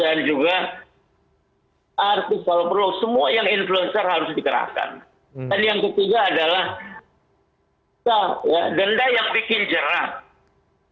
dan yang ketiga adalah denda yang bikin jerah